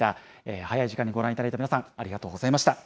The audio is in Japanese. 早い時間にご覧いただいた皆さん、ありがとうございました。